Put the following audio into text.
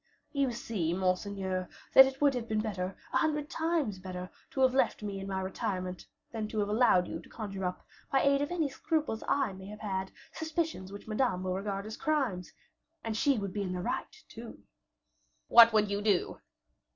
"You see, monseigneur, that it would have been better, a hundred times better, to have left me in my retirement, than to have allowed you to conjure up, by aid of any scruples I may have had, suspicions which Madame will regard as crimes, and she would be in the right, too." "What would you do?"